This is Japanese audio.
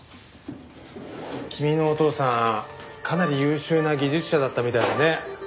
君のお父さんかなり優秀な技術者だったみたいだね。